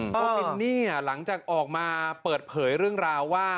เพราะมินนี่หลังจากออกมาเปิดเผยเรื่องราวว่า